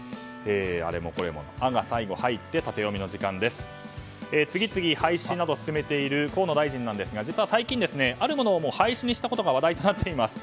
あれもこれもの「ア」が最後に入って次々廃止などを進めている河野大臣ですが実は最近あるものも廃止になったことが話題になっています。